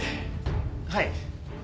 はい。